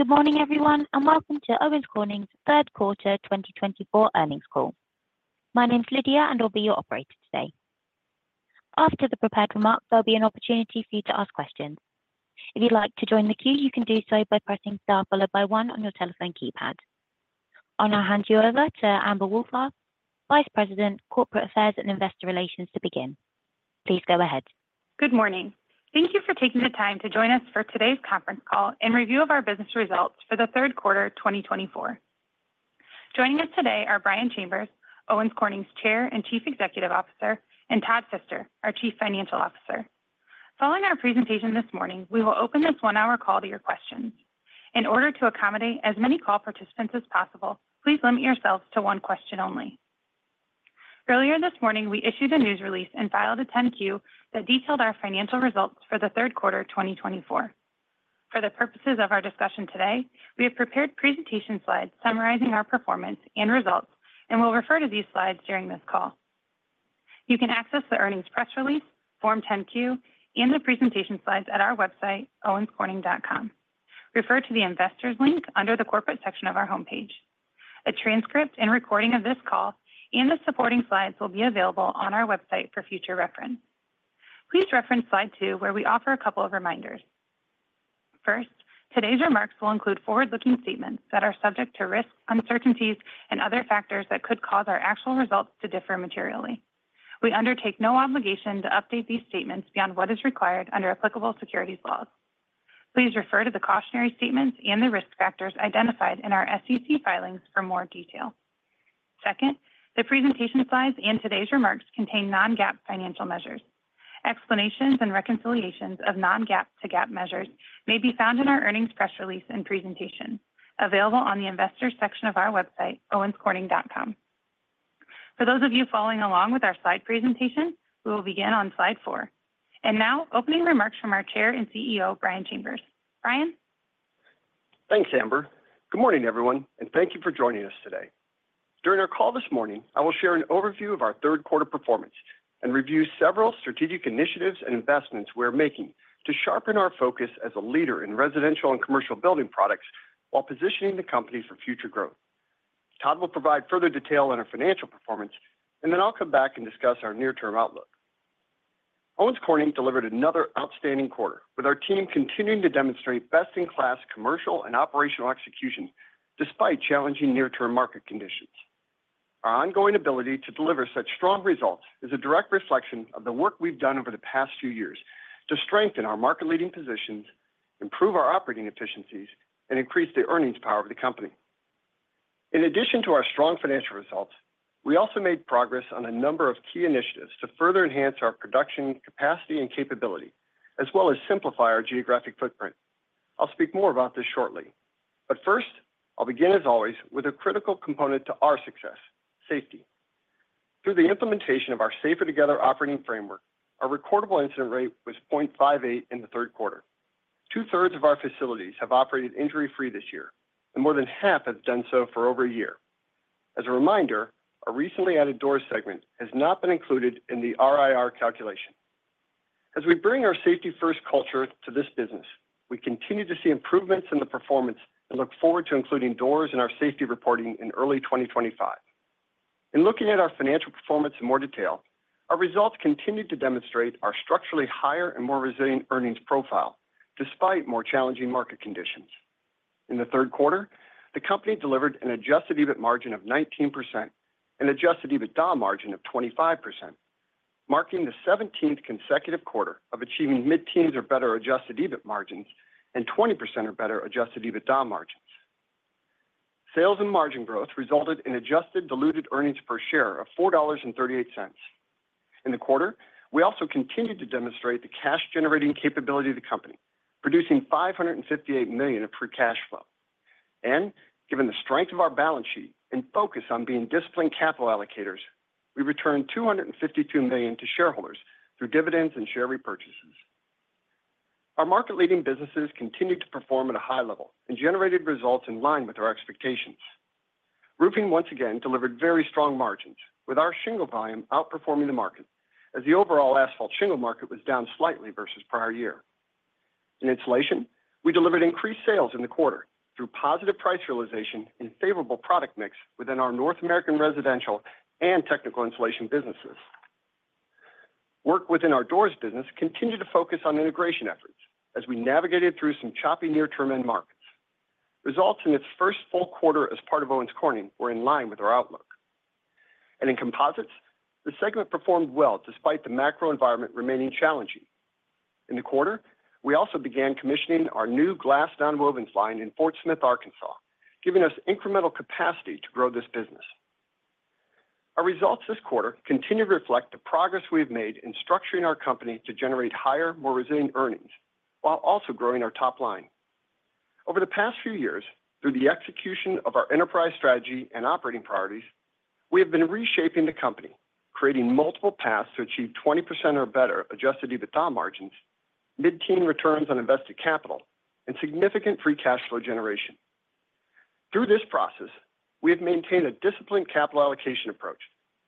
Good morning, everyone, and welcome to Owens Corning's third quarter 2024 earnings call. My name's Lydia, and I'll be your operator today. After the prepared remarks, there'll be an opportunity for you to ask questions. If you'd like to join the queue, you can do so by pressing star followed by one on your telephone keypad. I'll now hand you over to Amber Wohlfarth, Vice President, Corporate Affairs and Investor Relations, to begin. Please go ahead. Good morning. Thank you for taking the time to join us for today's conference call and review of our business results for the third quarter 2024. Joining us today are Brian Chambers, Owens Corning's Chair and Chief Executive Officer, and Todd Fister, our Chief Financial Officer. Following our presentation this morning, we will open this one-hour call to your questions. In order to accommodate as many call participants as possible, please limit yourselves to one question only. Earlier this morning, we issued a news release and filed a 10-Q that detailed our financial results for the third quarter 2024. For the purposes of our discussion today, we have prepared presentation slides summarizing our performance and results, and we'll refer to these slides during this call. You can access the earnings press release, Form 10-Q, and the presentation slides at our website, owenscorning.com. Refer to the Investors link under the corporate section of our homepage. A transcript and recording of this call and the supporting slides will be available on our website for future reference. Please reference slide two, where we offer a couple of reminders. First, today's remarks will include forward-looking statements that are subject to risks, uncertainties, and other factors that could cause our actual results to differ materially. We undertake no obligation to update these statements beyond what is required under applicable securities laws. Please refer to the cautionary statements and the risk factors identified in our SEC filings for more detail. Second, the presentation slides and today's remarks contain non-GAAP financial measures. Explanations and reconciliations of non-GAAP to GAAP measures may be found in our earnings press release and presentation, available on the Investors section of our website, owenscorning.com. For those of you following along with our slide presentation, we will begin on slide four. And now, opening remarks from our Chair and CEO, Brian Chambers. Brian? Thanks, Amber. Good morning, everyone, and thank you for joining us today. During our call this morning, I will share an overview of our third quarter performance and review several strategic initiatives and investments we are making to sharpen our focus as a leader in residential and commercial building products while positioning the company for future growth. Todd will provide further detail on our financial performance, and then I'll come back and discuss our near-term outlook. Owens Corning delivered another outstanding quarter, with our team continuing to demonstrate best-in-class commercial and operational execution despite challenging near-term market conditions. Our ongoing ability to deliver such strong results is a direct reflection of the work we've done over the past few years to strengthen our market-leading positions, improve our operating efficiencies, and increase the earnings power of the company. In addition to our strong financial results, we also made progress on a number of key initiatives to further enhance our production capacity and capability, as well as simplify our geographic footprint. I'll speak more about this shortly. But first, I'll begin, as always, with a critical component to our success: safety. Through the implementation of our Safer Together operating framework, our recordable incident rate was 0.58 in the third quarter. Two-thirds of our facilities have operated injury-free this year, and more than half have done so for over a year. As a reminder, our recently added doors segment has not been included in the RIR calculation. As we bring our safety-first culture to this business, we continue to see improvements in the performance and look forward to including doors in our safety reporting in early 2025. In looking at our financial performance in more detail, our results continue to demonstrate our structurally higher and more resilient earnings profile despite more challenging market conditions. In the third quarter, the company delivered an adjusted EBIT margin of 19% and adjusted EBITDA margin of 25%, marking the 17th consecutive quarter of achieving mid-teens or better adjusted EBIT margins and 20% or better adjusted EBITDA margins. Sales and margin growth resulted in adjusted diluted earnings per share of $4.38. In the quarter, we also continued to demonstrate the cash-generating capability of the company, producing $558 million of free cash flow. And given the strength of our balance sheet and focus on being disciplined capital allocators, we returned $252 million to shareholders through dividends and share repurchases. Our market-leading businesses continued to perform at a high level and generated results in line with our expectations. Roofing once again delivered very strong margins, with our shingle volume outperforming the market, as the overall asphalt shingle market was down slightly versus prior year. In insulation, we delivered increased sales in the quarter through positive price realization and favorable product mix within our North American residential and technical insulation businesses. Work within our doors business continued to focus on integration efforts as we navigated through some choppy near-term end markets. Results in its first full quarter as part of Owens Corning were in line with our outlook. And in composites, the segment performed well despite the macro environment remaining challenging. In the quarter, we also began commissioning our new glass nonwoven line in Fort Smith, Arkansas, giving us incremental capacity to grow this business. Our results this quarter continue to reflect the progress we have made in structuring our company to generate higher, more resilient earnings while also growing our top line. Over the past few years, through the execution of our enterprise strategy and operating priorities, we have been reshaping the company, creating multiple paths to achieve 20% or better Adjusted EBITDA margins, mid-teen returns on invested capital, and significant Free Cash Flow generation. Through this process, we have maintained a disciplined capital allocation approach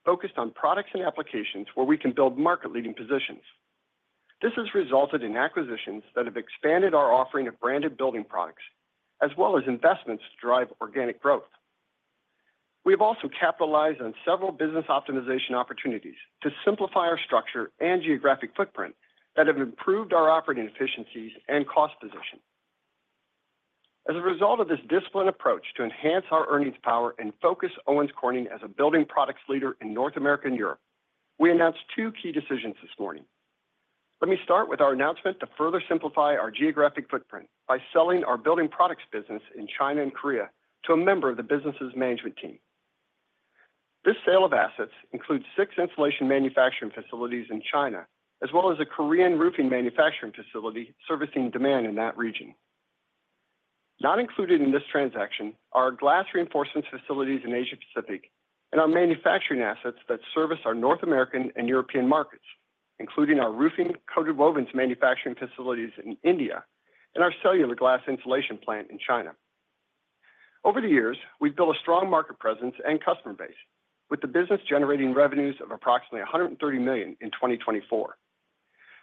focused on products and applications where we can build market-leading positions. This has resulted in acquisitions that have expanded our offering of branded building products, as well as investments to drive organic growth. We have also capitalized on several business optimization opportunities to simplify our structure and geographic footprint that have improved our operating efficiencies and cost position. As a result of this disciplined approach to enhance our earnings power and focus Owens Corning as a building products leader in North America and Europe, we announced two key decisions this morning. Let me start with our announcement to further simplify our geographic footprint by selling our building products business in China and Korea to a member of the business's management team. This sale of assets includes six insulation manufacturing facilities in China, as well as a Korean roofing manufacturing facility servicing demand in that region. Not included in this transaction are our glass reinforcements facilities in Asia-Pacific and our manufacturing assets that service our North American and European markets, including our roofing coated wovens manufacturing facilities in India and our cellular glass insulation plant in China. Over the years, we've built a strong market presence and customer base, with the business generating revenues of approximately $130 million in 2024.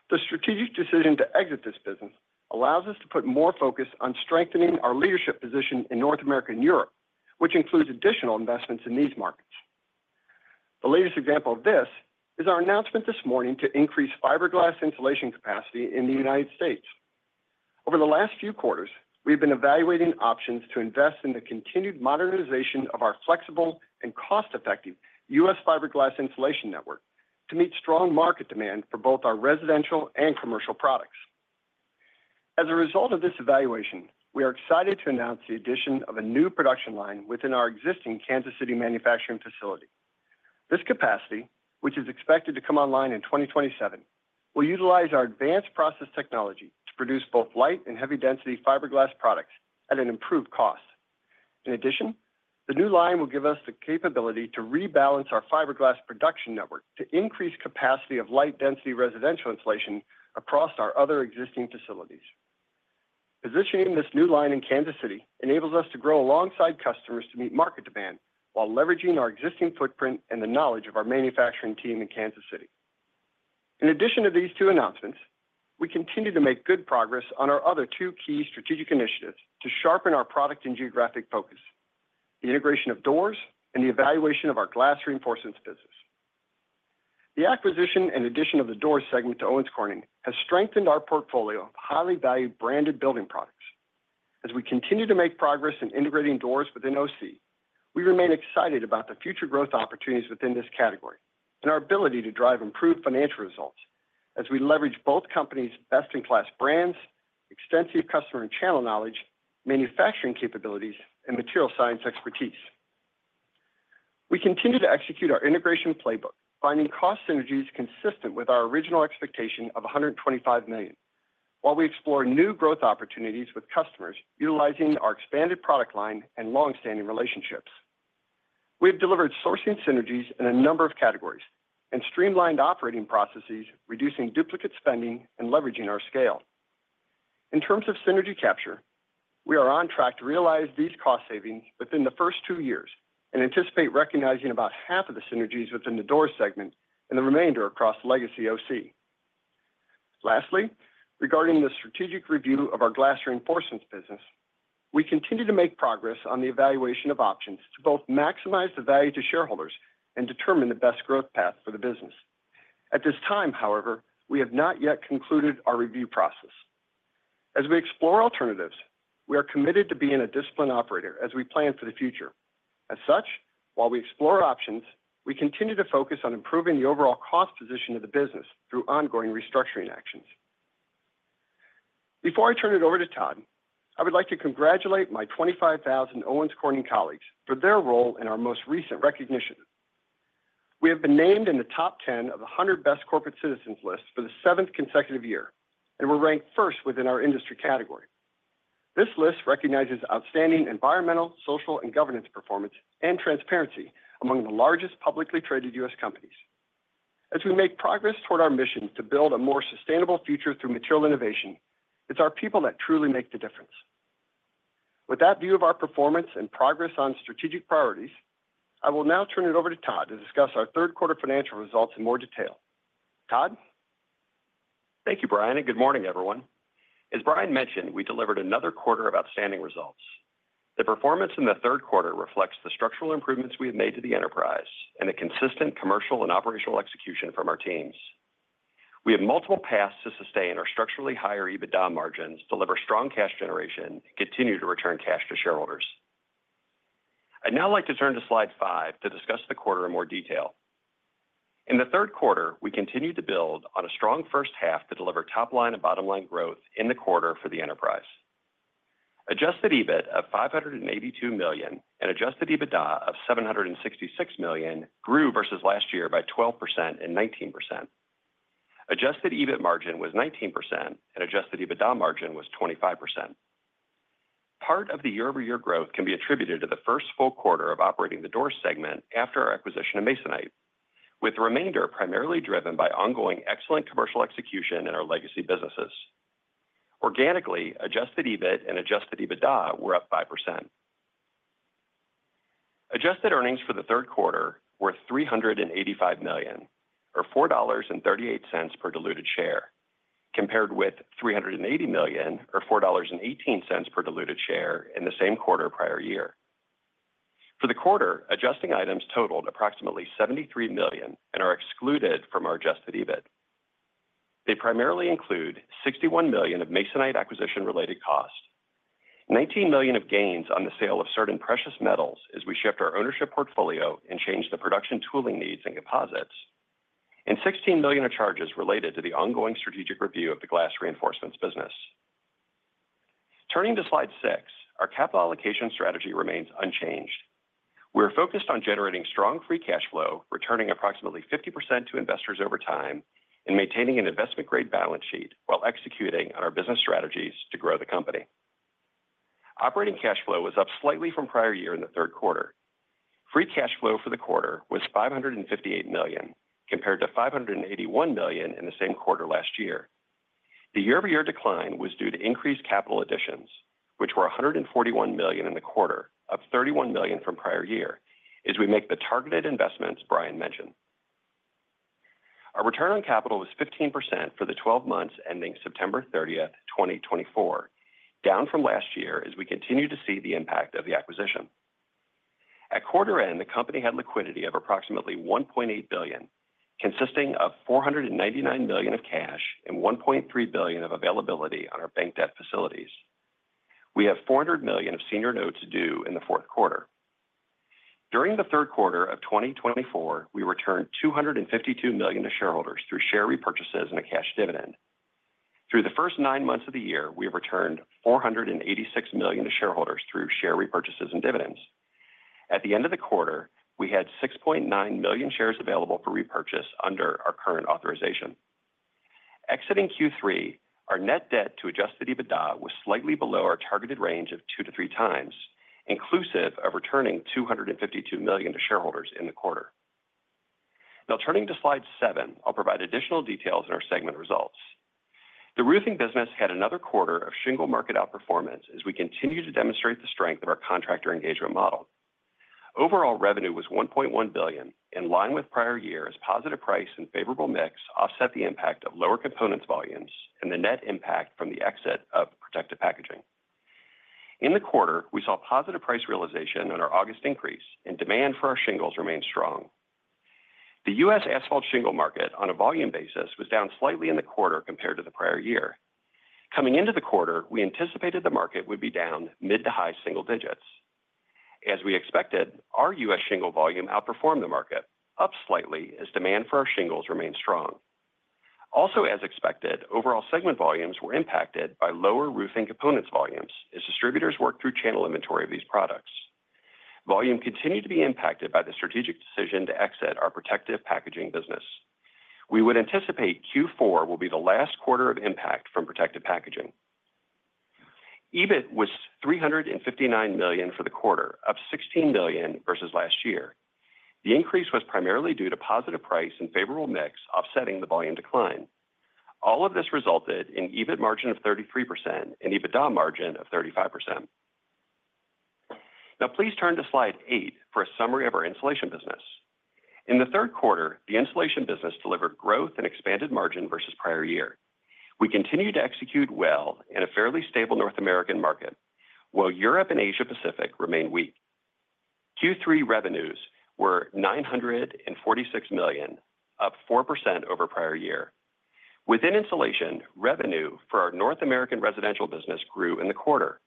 The strategic decision to exit this business allows us to put more focus on strengthening our leadership position in North America and Europe, which includes additional investments in these markets. The latest example of this is our announcement this morning to increase fiberglass insulation capacity in the United States. Over the last few quarters, we have been evaluating options to invest in the continued modernization of our flexible and cost-effective U.S. fiberglass insulation network to meet strong market demand for both our residential and commercial products. As a result of this evaluation, we are excited to announce the addition of a new production line within our existing Kansas City manufacturing facility. This capacity, which is expected to come online in 2027, will utilize our advanced process technology to produce both light and heavy-density fiberglass products at an improved cost. In addition, the new line will give us the capability to rebalance our fiberglass production network to increase capacity of light-density residential insulation across our other existing facilities. Positioning this new line in Kansas City enables us to grow alongside customers to meet market demand while leveraging our existing footprint and the knowledge of our manufacturing team in Kansas City. In addition to these two announcements, we continue to make good progress on our other two key strategic initiatives to sharpen our product and geographic focus: the integration of doors and the evaluation of our glass reinforcements business. The acquisition and addition of the doors segment to Owens Corning has strengthened our portfolio of highly valued branded building products. As we continue to make progress in integrating doors within OC, we remain excited about the future growth opportunities within this category and our ability to drive improved financial results as we leverage both companies' best-in-class brands, extensive customer and channel knowledge, manufacturing capabilities, and material science expertise. We continue to execute our integration playbook, finding cost synergies consistent with our original expectation of $125 million, while we explore new growth opportunities with customers utilizing our expanded product line and long-standing relationships. We have delivered sourcing synergies in a number of categories and streamlined operating processes, reducing duplicate spending and leveraging our scale. In terms of synergy capture, we are on track to realize these cost savings within the first two years and anticipate recognizing about half of the synergies within the doors segment and the remainder across legacy OC. Lastly, regarding the strategic review of our glass reinforcements business, we continue to make progress on the evaluation of options to both maximize the value to shareholders and determine the best growth path for the business. At this time, however, we have not yet concluded our review process. As we explore alternatives, we are committed to being a disciplined operator as we plan for the future. As such, while we explore options, we continue to focus on improving the overall cost position of the business through ongoing restructuring actions. Before I turn it over to Todd, I would like to congratulate my 25,000 Owens Corning colleagues for their role in our most recent recognition. We have been named in the top 10 of the 100 Best Corporate Citizens list for the seventh consecutive year, and we're ranked first within our industry category. This list recognizes outstanding environmental, social, and governance performance and transparency among the largest publicly traded U.S. companies. As we make progress toward our mission to build a more sustainable future through material innovation, it's our people that truly make the difference. With that view of our performance and progress on strategic priorities, I will now turn it over to Todd to discuss our third quarter financial results in more detail. Todd? Thank you, Brian, and good morning, everyone. As Brian mentioned, we delivered another quarter of outstanding results. The performance in the third quarter reflects the structural improvements we have made to the enterprise and the consistent commercial and operational execution from our teams. We have multiple paths to sustain our structurally higher EBITDA margins, deliver strong cash generation, and continue to return cash to shareholders. I'd now like to turn to slide five to discuss the quarter in more detail. In the third quarter, we continued to build on a strong first half to deliver top line and bottom line growth in the quarter for the enterprise. Adjusted EBIT of $582 million and Adjusted EBITDA of $766 million grew versus last year by 12% and 19%. Adjusted EBIT margin was 19%, and Adjusted EBITDA margin was 25%. Part of the year-over-year growth can be attributed to the first full quarter of operating the doors segment after our acquisition of Masonite, with the remainder primarily driven by ongoing excellent commercial execution in our legacy businesses. Organically, Adjusted EBIT and Adjusted EBITDA were up 5%. Adjusted earnings for the third quarter were $385 million, or $4.38 per diluted share, compared with $380 million, or $4.18 per diluted share, in the same quarter prior year. For the quarter, adjusting items totaled approximately $73 million and are excluded from our Adjusted EBIT. They primarily include $61 million of Masonite acquisition-related cost, $19 million of gains on the sale of certain precious metals as we shift our ownership portfolio and change the production tooling needs in Composites, and $16 million of charges related to the ongoing strategic review of the Glass Reinforcements business. Turning to slide six, our capital allocation strategy remains unchanged. We are focused on generating strong free cash flow, returning approximately 50% to investors over time, and maintaining an investment-grade balance sheet while executing on our business strategies to grow the company. Operating cash flow was up slightly from prior year in the third quarter. Free cash flow for the quarter was $558 million, compared to $581 million in the same quarter last year. The year-over-year decline was due to increased capital additions, which were $141 million in the quarter, up $31 million from prior year, as we make the targeted investments Brian mentioned. Our return on capital was 15% for the 12 months ending September 30, 2024, down from last year as we continue to see the impact of the acquisition. At quarter end, the company had liquidity of approximately $1.8 billion, consisting of $499 million of cash and $1.3 billion of availability on our bank debt facilities. We have $400 million of senior notes due in the fourth quarter. During the third quarter of 2024, we returned $252 million to shareholders through share repurchases and a cash dividend. Through the first nine months of the year, we have returned $486 million to shareholders through share repurchases and dividends. At the end of the quarter, we had 6.9 million shares available for repurchase under our current authorization. Exiting Q3, our net debt to Adjusted EBITDA was slightly below our targeted range of two to three times, inclusive of returning $252 million to shareholders in the quarter. Now, turning to slide seven, I'll provide additional details in our segment results. The roofing business had another quarter of shingle market outperformance as we continue to demonstrate the strength of our contractor engagement model. Overall revenue was $1.1 billion, in line with prior year as positive price and favorable mix offset the impact of lower components volumes and the net impact from the exit of protective packaging. In the quarter, we saw positive price realization on our August increase, and demand for our shingles remained strong. The U.S. asphalt shingle market, on a volume basis, was down slightly in the quarter compared to the prior year. Coming into the quarter, we anticipated the market would be down mid to high single digits. As we expected, our U.S. shingle volume outperformed the market, up slightly as demand for our shingles remained strong. Also, as expected, overall segment volumes were impacted by lower roofing components volumes as distributors worked through channel inventory of these products. Volume continued to be impacted by the strategic decision to exit our protective packaging business. We would anticipate Q4 will be the last quarter of impact from protective packaging. EBIT was $359 million for the quarter, up $16 million versus last year. The increase was primarily due to positive price and favorable mix offsetting the volume decline. All of this resulted in EBIT margin of 33% and EBITDA margin of 35%. Now, please turn to slide eight for a summary of our insulation business. In the third quarter, the insulation business delivered growth and expanded margin versus prior year. We continued to execute well in a fairly stable North American market, while Europe and Asia-Pacific remained weak. Q3 revenues were $946 million, up 4% over prior year. Within insulation, revenue for our North American residential business grew in the quarter.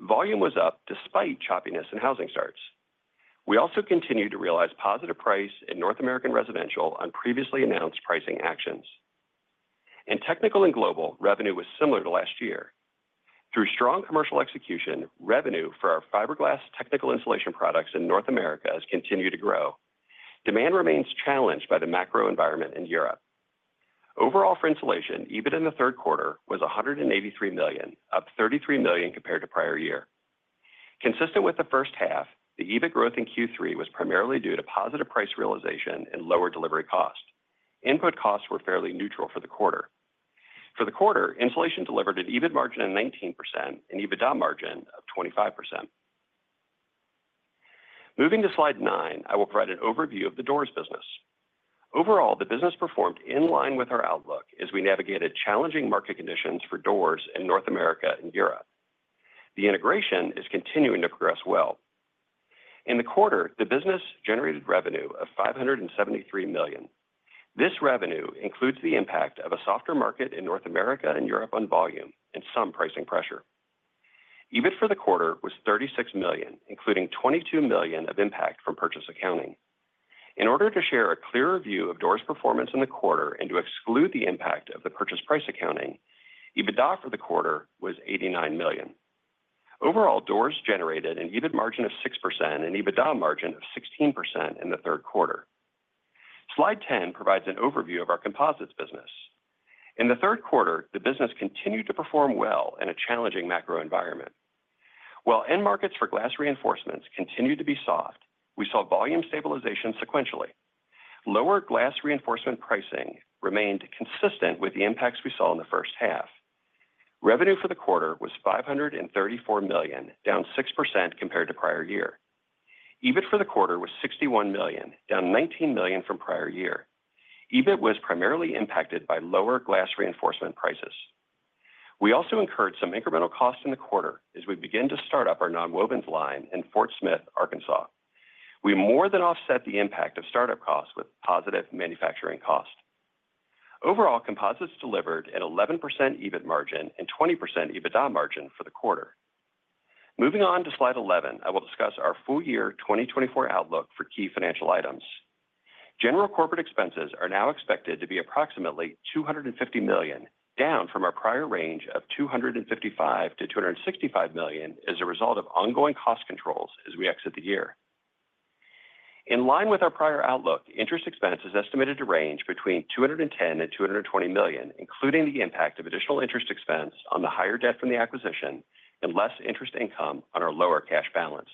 Volume was up despite choppiness in housing starts. We also continued to realize positive price in North American residential on previously announced pricing actions. In technical and global, revenue was similar to last year. Through strong commercial execution, revenue for our fiberglass technical insulation products in North America has continued to grow. Demand remains challenged by the macro environment in Europe. Overall for insulation, EBIT in the third quarter was $183 million, up $33 million compared to prior year. Consistent with the first half, the EBIT growth in Q3 was primarily due to positive price realization and lower delivery cost. Input costs were fairly neutral for the quarter. For the quarter, insulation delivered an EBIT margin of 19% and EBITDA margin of 25%. Moving to slide nine, I will provide an overview of the doors business. Overall, the business performed in line with our outlook as we navigated challenging market conditions for doors in North America and Europe. The integration is continuing to progress well. In the quarter, the business generated revenue of $573 million. This revenue includes the impact of a softer market in North America and Europe on volume and some pricing pressure. EBIT for the quarter was $36 million, including $22 million of impact from purchase accounting. In order to share a clearer view of doors performance in the quarter and to exclude the impact of the purchase price accounting, EBITDA for the quarter was $89 million. Overall, doors generated an EBIT margin of 6% and EBITDA margin of 16% in the third quarter. Slide 10 provides an overview of our composites business. In the third quarter, the business continued to perform well in a challenging macro environment. While end markets for glass reinforcements continued to be soft, we saw volume stabilization sequentially. Lower glass reinforcement pricing remained consistent with the impacts we saw in the first half. Revenue for the quarter was $534 million, down 6% compared to prior year. EBIT for the quarter was $61 million, down $19 million from prior year. EBIT was primarily impacted by lower glass reinforcement prices. We also incurred some incremental costs in the quarter as we began to start up our nonwoven line in Fort Smith, Arkansas. We more than offset the impact of startup costs with positive manufacturing cost. Overall, composites delivered an 11% EBIT margin and 20% EBITDA margin for the quarter. Moving on to slide 11, I will discuss our full year 2024 outlook for key financial items. General corporate expenses are now expected to be approximately $250 million, down from our prior range of $255-$265 million as a result of ongoing cost controls as we exit the year. In line with our prior outlook, interest expense is estimated to range between $210 and $220 million, including the impact of additional interest expense on the higher debt from the acquisition and less interest income on our lower cash balance.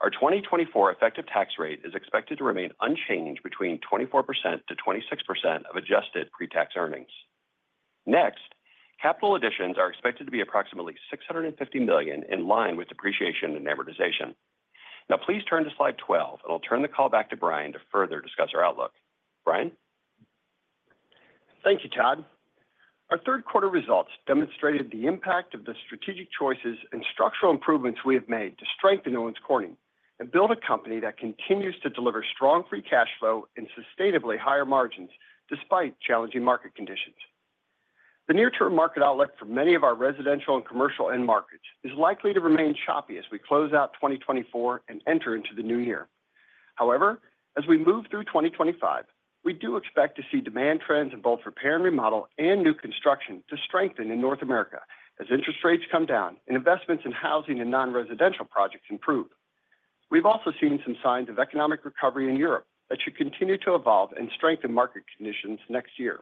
Our 2024 effective tax rate is expected to remain unchanged between 24%-26% of adjusted pre-tax earnings. Next, capital additions are expected to be approximately $650 million in line with depreciation and amortization. Now, please turn to slide 12, and I'll turn the call back to Brian to further discuss our outlook. Brian? Thank you, Todd. Our third quarter results demonstrated the impact of the strategic choices and structural improvements we have made to strengthen Owens Corning and build a company that continues to deliver strong free cash flow and sustainably higher margins despite challenging market conditions. The near-term market outlook for many of our residential and commercial end markets is likely to remain choppy as we close out 2024 and enter into the new year. However, as we move through 2025, we do expect to see demand trends in both repair and remodel and new construction to strengthen in North America as interest rates come down and investments in housing and non-residential projects improve. We've also seen some signs of economic recovery in Europe that should continue to evolve and strengthen market conditions next year.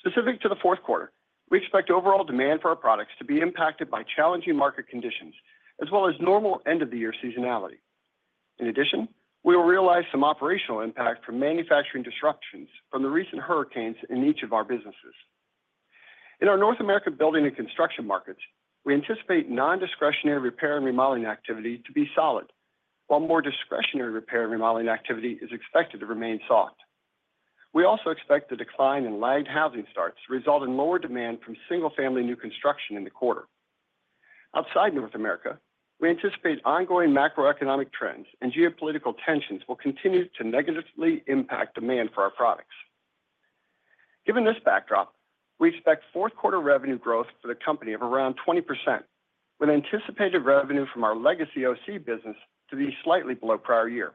Specific to the fourth quarter, we expect overall demand for our products to be impacted by challenging market conditions as well as normal end-of-the-year seasonality. In addition, we will realize some operational impact from manufacturing disruptions from the recent hurricanes in each of our businesses. In our North America building and construction markets, we anticipate non-discretionary repair and remodeling activity to be solid, while more discretionary repair and remodeling activity is expected to remain soft. We also expect the decline in lagged housing starts to result in lower demand from single-family new construction in the quarter. Outside North America, we anticipate ongoing macroeconomic trends and geopolitical tensions will continue to negatively impact demand for our products. Given this backdrop, we expect fourth quarter revenue growth for the company of around 20%, with anticipated revenue from our legacy OC business to be slightly below prior year.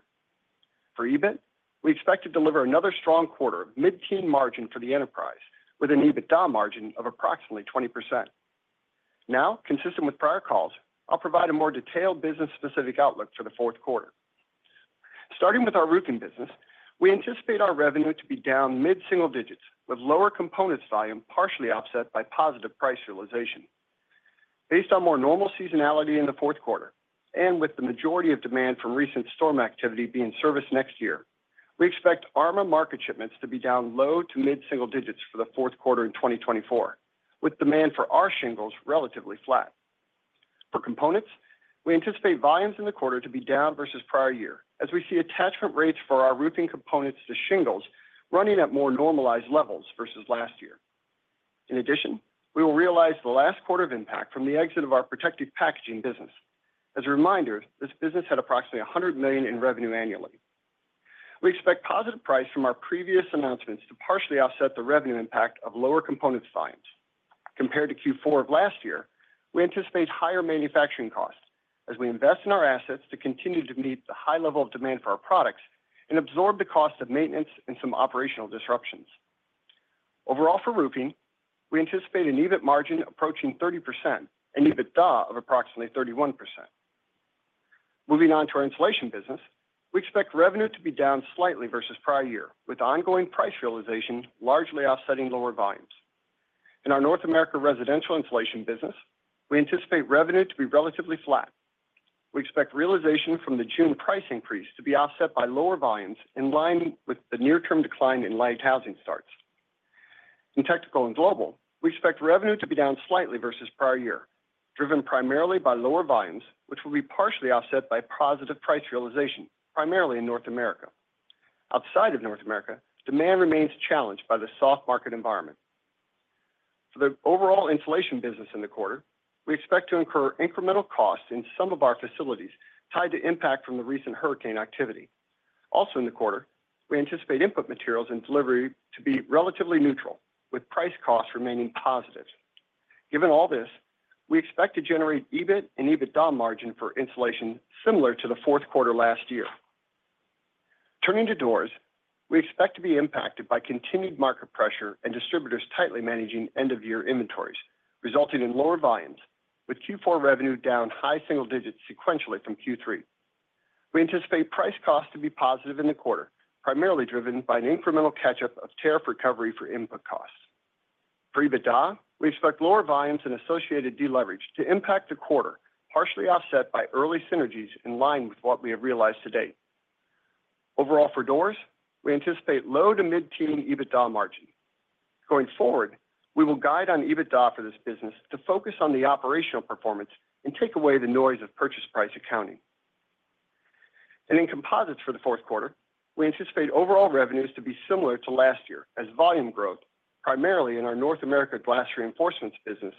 For EBIT, we expect to deliver another strong quarter of mid-teen margin for the enterprise, with an EBITDA margin of approximately 20%. Now, consistent with prior calls, I'll provide a more detailed business-specific outlook for the fourth quarter. Starting with our roofing business, we anticipate our revenue to be down mid-single digits, with lower components volume partially offset by positive price realization. Based on more normal seasonality in the fourth quarter and with the majority of demand from recent storm activity being serviced next year, we expect ARMA market shipments to be down low to mid-single digits for the fourth quarter in 2024, with demand for our shingles relatively flat. For components, we anticipate volumes in the quarter to be down versus prior year as we see attachment rates for our roofing components to shingles running at more normalized levels versus last year. In addition, we will realize the last quarter of impact from the exit of our protective packaging business. As a reminder, this business had approximately $100 million in revenue annually. We expect positive price from our previous announcements to partially offset the revenue impact of lower components volumes. Compared to Q4 of last year, we anticipate higher manufacturing costs as we invest in our assets to continue to meet the high level of demand for our products and absorb the cost of maintenance and some operational disruptions. Overall for roofing, we anticipate an EBIT margin approaching 30% and EBITDA of approximately 31%. Moving on to our insulation business, we expect revenue to be down slightly versus prior year, with ongoing price realization largely offsetting lower volumes. In our North America residential insulation business, we anticipate revenue to be relatively flat. We expect realization from the June price increase to be offset by lower volumes in line with the near-term decline in lagged housing starts. In technical and global, we expect revenue to be down slightly versus prior year, driven primarily by lower volumes, which will be partially offset by positive price realization, primarily in North America. Outside of North America, demand remains challenged by the soft market environment. For the overall insulation business in the quarter, we expect to incur incremental costs in some of our facilities tied to impact from the recent hurricane activity. Also in the quarter, we anticipate input materials and delivery to be relatively neutral, with price costs remaining positive. Given all this, we expect to generate EBIT and EBITDA margin for insulation similar to the fourth quarter last year. Turning to doors, we expect to be impacted by continued market pressure and distributors tightly managing end-of-year inventories, resulting in lower volumes, with Q4 revenue down high single digits sequentially from Q3. We anticipate price-cost to be positive in the quarter, primarily driven by an incremental catch-up of tariff recovery for input costs. For EBITDA, we expect lower volumes and associated deleverage to impact the quarter, partially offset by early synergies in line with what we have realized to date. Overall for doors, we anticipate low to mid-teen EBITDA margin. Going forward, we will guide on EBITDA for this business to focus on the operational performance and take away the noise of purchase price accounting. In composites for the fourth quarter, we anticipate overall revenues to be similar to last year as volume growth, primarily in our North America glass reinforcements business,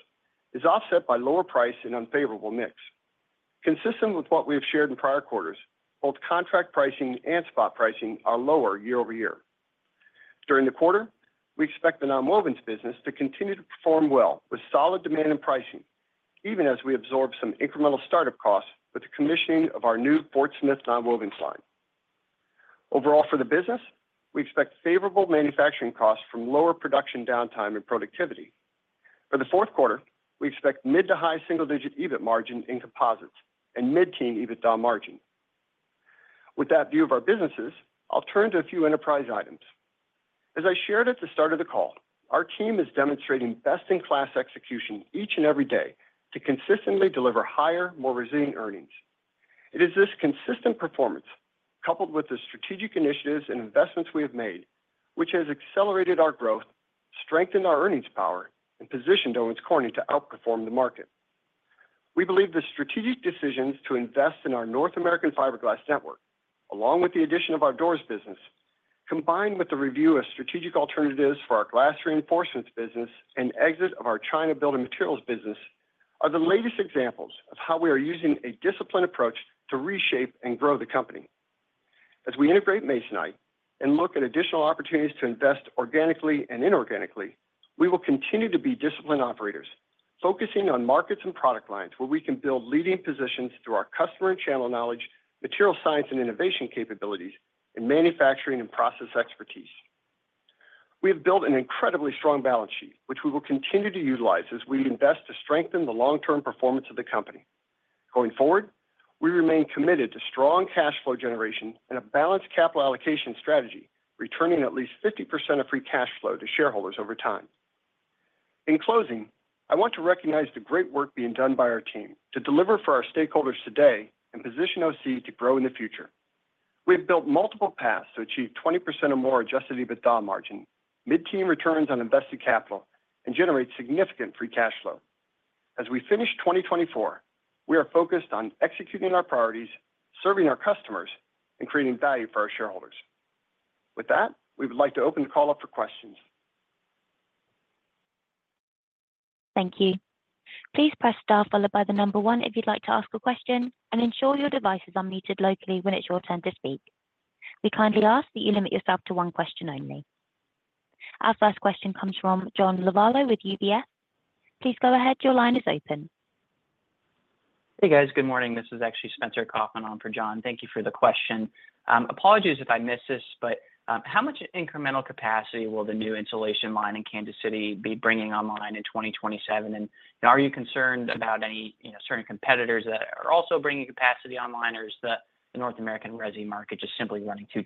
is offset by lower price and unfavorable mix. Consistent with what we have shared in prior quarters, both contract pricing and spot pricing are lower year-over-year. During the quarter, we expect the nonwoven business to continue to perform well with solid demand and pricing, even as we absorb some incremental startup costs with the commissioning of our new Fort Smith nonwoven line. Overall for the business, we expect favorable manufacturing costs from lower production downtime and productivity. For the fourth quarter, we expect mid- to high single-digit EBIT margin in composites and mid-teen EBITDA margin. With that view of our businesses, I'll turn to a few enterprise items. As I shared at the start of the call, our team is demonstrating best-in-class execution each and every day to consistently deliver higher, more resilient earnings. It is this consistent performance, coupled with the strategic initiatives and investments we have made, which has accelerated our growth, strengthened our earnings power, and positioned Owens Corning to outperform the market. We believe the strategic decisions to invest in our North American fiberglass network, along with the addition of our doors business, combined with the review of strategic alternatives for our glass reinforcements business and exit of our China Building Materials business, are the latest examples of how we are using a disciplined approach to reshape and grow the company. As we integrate Masonite and look at additional opportunities to invest organically and inorganically, we will continue to be disciplined operators, focusing on markets and product lines where we can build leading positions through our customer and channel knowledge, material science and innovation capabilities, and manufacturing and process expertise. We have built an incredibly strong balance sheet, which we will continue to utilize as we invest to strengthen the long-term performance of the company. Going forward, we remain committed to strong cash flow generation and a balanced capital allocation strategy, returning at least 50% of free cash flow to shareholders over time. In closing, I want to recognize the great work being done by our team to deliver for our stakeholders today and position OC to grow in the future. We have built multiple paths to achieve 20% or more Adjusted EBITDA margin, mid-teen returns on invested capital, and generate significant free cash flow. As we finish 2024, we are focused on executing our priorities, serving our customers, and creating value for our shareholders. With that, we would like to open the call up for questions. Thank you. Please press star followed by the number one if you'd like to ask a question, and ensure your device is unmuted locally when it's your turn to speak. We kindly ask that you limit yourself to one question only. Our first question comes from John Lovallo with UBS. Please go ahead. Your line is open. Hey, guys. Good morning. This is actually Spencer Kaufman on for John. Thank you for the question. Apologies if I missed this, but how much incremental capacity will the new insulation line in Kansas City be bringing online in 2027? And are you concerned about any certain competitors that are also bringing capacity online, or is the North American resi market just simply running too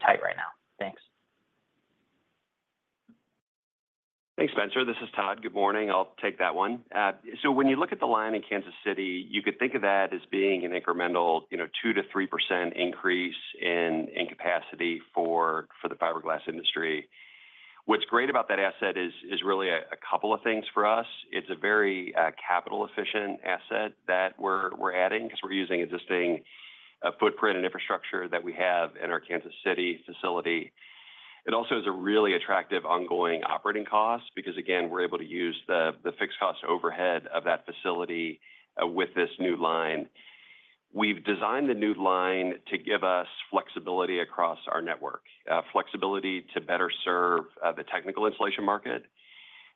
tight right now? Thanks. Thanks, Spencer. This is Todd. Good morning. I'll take that one. So when you look at the line in Kansas City, you could think of that as being an incremental 2%-3% increase in capacity for the fiberglass industry. What's great about that asset is really a couple of things for us. It's a very capital-efficient asset that we're adding because we're using existing footprint and infrastructure that we have in our Kansas City facility. It also has a really attractive ongoing operating cost because, again, we're able to use the fixed cost overhead of that facility with this new line. We've designed the new line to give us flexibility across our network, flexibility to better serve the technical insulation market.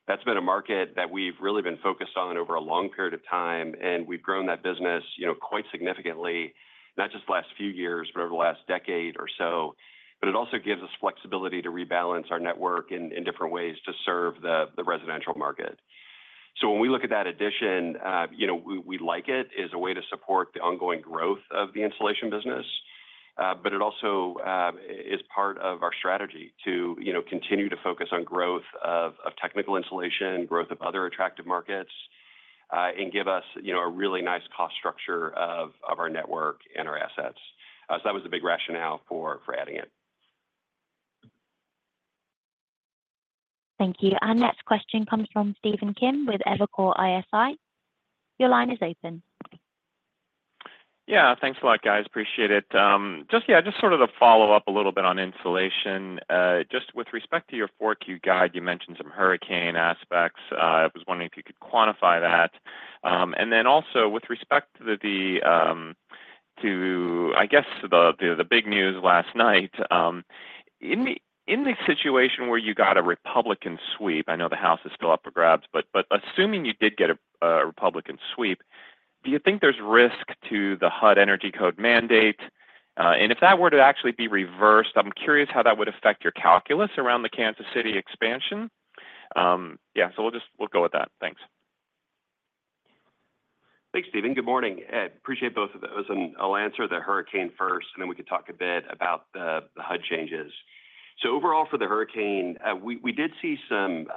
That's been a market that we've really been focused on over a long period of time, and we've grown that business quite significantly, not just the last few years, but over the last decade or so. But it also gives us flexibility to rebalance our network in different ways to serve the residential market. So when we look at that addition, we like it as a way to support the ongoing growth of the insulation business, but it also is part of our strategy to continue to focus on growth of technical insulation, growth of other attractive markets, and give us a really nice cost structure of our network and our assets. So that was the big rationale for adding it. Thank you. Our next question comes from Stephen Kim with Evercore ISI. Your line is open. Yeah. Thanks a lot, guys. Appreciate it. Just sort of to follow up a little bit on insulation. Just with respect to your 4Q guide, you mentioned some hurricane aspects. I was wondering if you could quantify that. And then also, with respect to, I guess, the big news last night, in the situation where you got a Republican sweep, I know the House is still up for grabs, but assuming you did get a Republican sweep, do you think there's risk to the HUD energy code mandate? And if that were to actually be reversed, I'm curious how that would affect your calculus around the Kansas City expansion. Yeah. So we'll go with that. Thanks. Thanks, Stephen. Good morning. Appreciate both of those. And I'll answer the hurricane first, and then we can talk a bit about the HUD changes. So overall for the hurricane, we did see some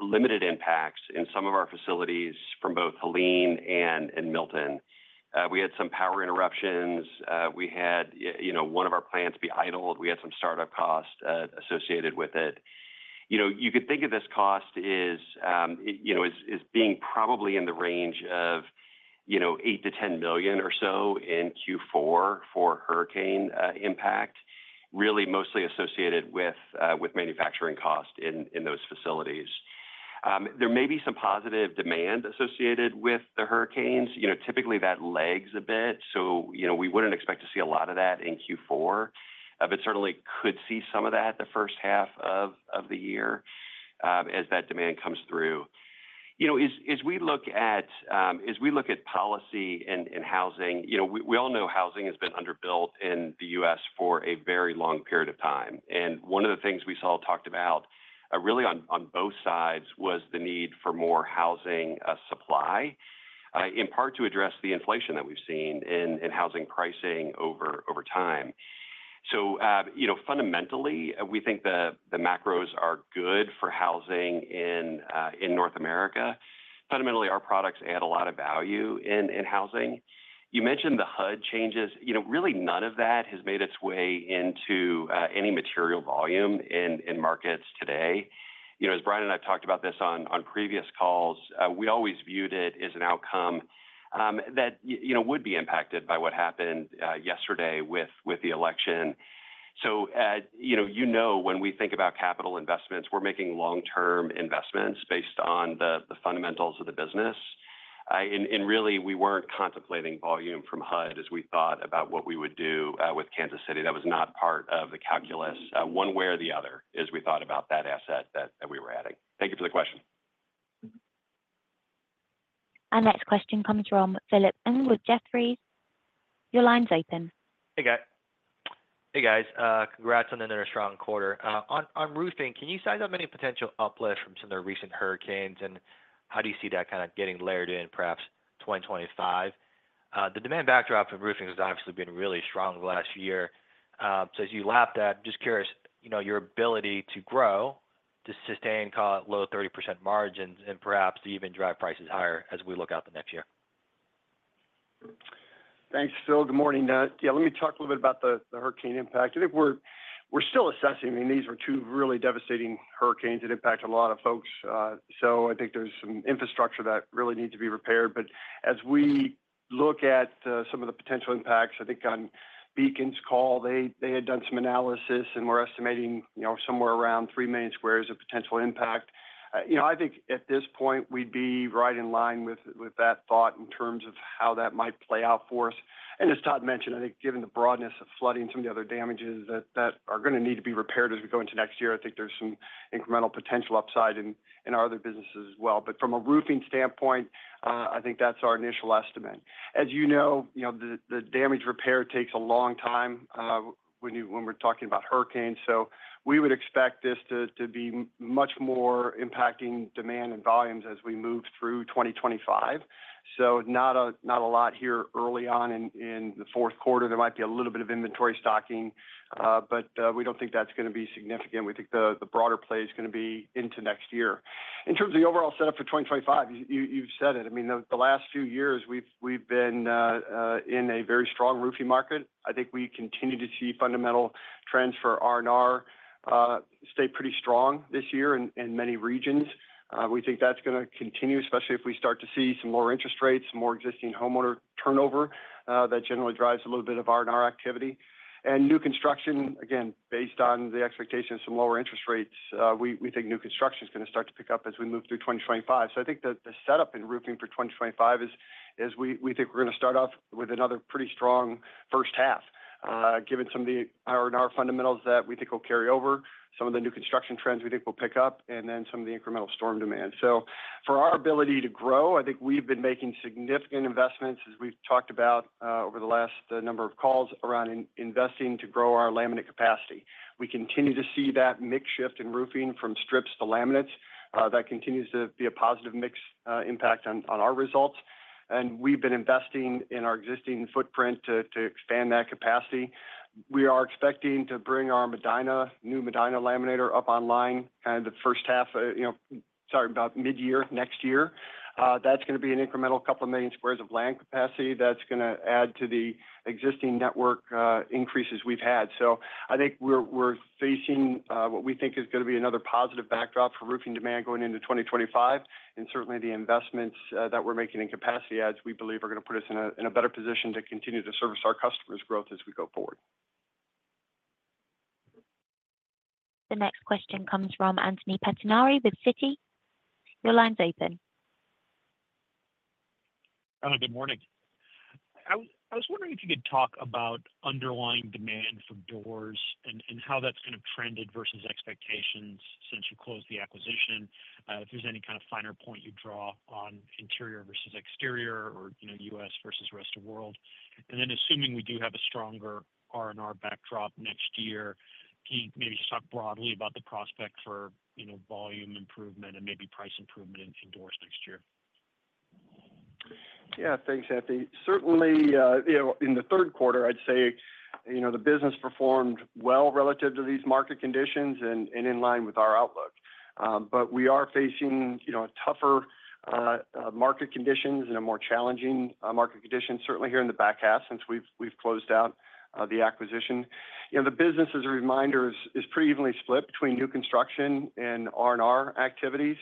limited impacts in some of our facilities from both Helene and Milton. We had some power interruptions. We had one of our plants be idled. We had some startup cost associated with it. You could think of this cost as being probably in the range of $8 million-$10 million or so in Q4 for hurricane impact, really mostly associated with manufacturing cost in those facilities. There may be some positive demand associated with the hurricanes. Typically, that lags a bit, so we wouldn't expect to see a lot of that in Q4, but certainly could see some of that the first half of the year as that demand comes through. As we look at policy and housing, we all know housing has been underbuilt in the U.S. for a very long period of time. And one of the things we saw talked about really on both sides was the need for more housing supply, in part to address the inflation that we've seen in housing pricing over time. So fundamentally, we think the macros are good for housing in North America. Fundamentally, our products add a lot of value in housing. You mentioned the HUD changes. Really, none of that has made its way into any material volume in markets today. As Brian and I've talked about this on previous calls, we always viewed it as an outcome that would be impacted by what happened yesterday with the election. So you know when we think about capital investments, we're making long-term investments based on the fundamentals of the business. Really, we weren't contemplating volume from HUD as we thought about what we would do with Kansas City. That was not part of the calculus, one way or the other, as we thought about that asset that we were adding. Thank you for the question. Our next question comes from Philip Ng with Jefferies. Your line's open. Hey, guys. Hey, guys. Congrats on another strong quarter. On roofing, can you size out any potential uplift from some of the recent hurricanes? And how do you see that kind of getting layered in perhaps 2025? The demand backdrop for roofing has obviously been really strong last year. So as you lap that, I'm just curious, your ability to grow, to sustain low 30% margins, and perhaps to even drive prices higher as we look out the next year? Thanks, Phil. Good morning. Yeah, let me talk a little bit about the hurricane impact. I think we're still assessing. I mean, these were two really devastating hurricanes that impacted a lot of folks. So I think there's some infrastructure that really needs to be repaired. But as we look at some of the potential impacts, I think on Beacon's call, they had done some analysis, and we're estimating somewhere around three million squares of potential impact. I think at this point, we'd be right in line with that thought in terms of how that might play out for us, and as Todd mentioned, I think given the broadness of flooding, some of the other damages that are going to need to be repaired as we go into next year, I think there's some incremental potential upside in our other businesses as well. But from a roofing standpoint, I think that's our initial estimate. As you know, the damage repair takes a long time when we're talking about hurricanes. So we would expect this to be much more impacting demand and volumes as we move through 2025. So not a lot here early on in the fourth quarter. There might be a little bit of inventory stocking, but we don't think that's going to be significant. We think the broader play is going to be into next year. In terms of the overall setup for 2025, you've said it. I mean, the last few years, we've been in a very strong roofing market. I think we continue to see fundamental trends for R&R stay pretty strong this year in many regions. We think that's going to continue, especially if we start to see some lower interest rates, more existing homeowner turnover that generally drives a little bit of R&R activity. And new construction, again, based on the expectation of some lower interest rates, we think new construction is going to start to pick up as we move through 2025. So I think the setup in roofing for 2025 is we think we're going to start off with another pretty strong first half, given some of the R&R fundamentals that we think will carry over, some of the new construction trends we think will pick up, and then some of the incremental storm demand. So for our ability to grow, I think we've been making significant investments, as we've talked about over the last number of calls, around investing to grow our laminate capacity. We continue to see that mix shift in roofing from strips to laminates. That continues to be a positive mix impact on our results. And we've been investing in our existing footprint to expand that capacity. We are expecting to bring our new Medina laminator up online kind of the first half, sorry, about mid-year next year. That's going to be an incremental couple of million squares of laminate capacity. That's going to add to the existing network increases we've had. So I think we're facing what we think is going to be another positive backdrop for roofing demand going into 2025. And certainly, the investments that we're making in capacity, as we believe, are going to put us in a better position to continue to service our customers' growth as we go forward. The next question comes from Anthony Pettinari with Citi. Your line's open. Hello. Good morning. I was wondering if you could talk about underlying demand for doors and how that's kind of trended versus expectations since you closed the acquisition, if there's any kind of finer point you draw on interior versus exterior or U.S. versus rest of the world? And then assuming we do have a stronger R&R backdrop next year, can you maybe talk broadly about the prospect for volume improvement and maybe price improvement in doors next year? Yeah. Thanks, Anthony. Certainly, in the third quarter, I'd say the business performed well relative to these market conditions and in line with our outlook. But we are facing tougher market conditions and a more challenging market condition, certainly here in the back half since we've closed out the acquisition. The business, as a reminder, is pretty evenly split between new construction and R&R activities.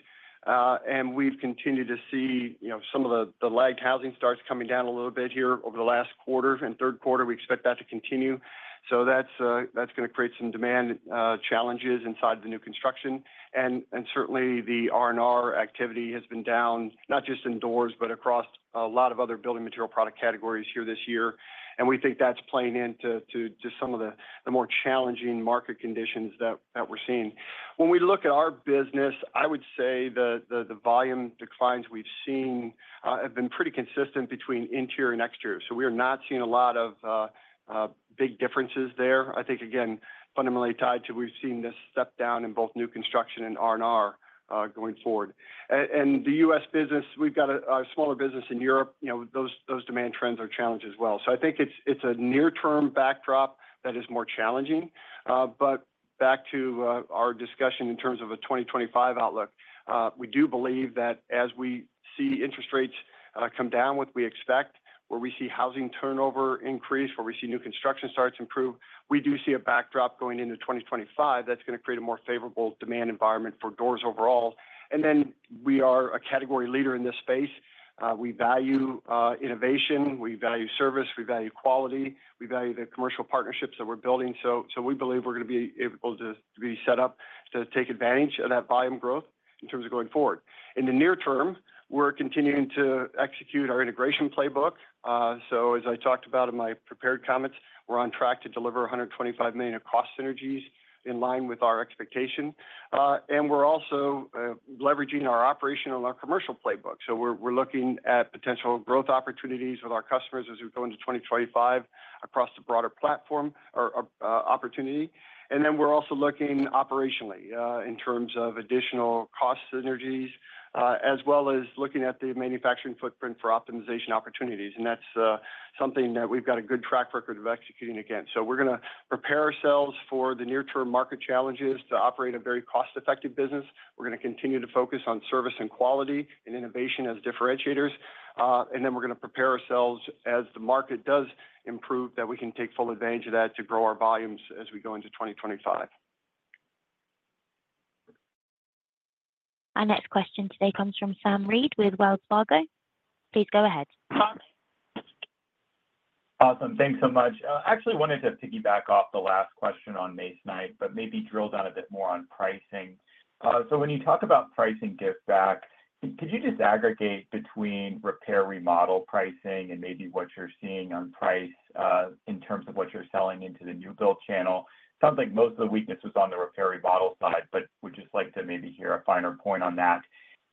And we've continued to see some of the lagged housing starts coming down a little bit here over the last quarter. In third quarter, we expect that to continue. So that's going to create some demand challenges inside the new construction. And certainly, the R&R activity has been down, not just in doors, but across a lot of other building material product categories here this year. And we think that's playing into some of the more challenging market conditions that we're seeing. When we look at our business, I would say the volume declines we've seen have been pretty consistent between interior and exterior, so we are not seeing a lot of big differences there. I think, again, fundamentally tied to we've seen this step down in both new construction and R&R going forward, and the U.S. business, we've got a smaller business in Europe. Those demand trends are challenged as well, so I think it's a near-term backdrop that is more challenging, but back to our discussion in terms of a 2025 outlook, we do believe that as we see interest rates come down, what we expect, where we see housing turnover increase, where we see new construction starts improve, we do see a backdrop going into 2025 that's going to create a more favorable demand environment for doors overall, and then we are a category leader in this space. We value innovation. We value service. We value quality. We value the commercial partnerships that we're building, so we believe we're going to be able to be set up to take advantage of that volume growth in terms of going forward. In the near term, we're continuing to execute our integration playbook, so as I talked about in my prepared comments, we're on track to deliver $125 million of cost synergies in line with our expectation, and we're also leveraging our operational and our commercial playbook, so we're looking at potential growth opportunities with our customers as we go into 2025 across the broader platform opportunity, and then we're also looking operationally in terms of additional cost synergies, as well as looking at the manufacturing footprint for optimization opportunities, and that's something that we've got a good track record of executing against. So we're going to prepare ourselves for the near-term market challenges to operate a very cost-effective business. We're going to continue to focus on service and quality and innovation as differentiators. And then we're going to prepare ourselves as the market does improve that we can take full advantage of that to grow our volumes as we go into 2025. Our next question today comes from Sam Reid with Wells Fargo. Please go ahead. Awesome. Thanks so much. Actually, I wanted to piggyback off the last question on Masonite, but maybe drill down a bit more on pricing. So when you talk about pricing give back, could you just aggregate between repair remodel pricing and maybe what you're seeing on price in terms of what you're selling into the new build channel? It sounds like most of the weakness was on the repair remodel side, but we'd just like to maybe hear a finer point on that.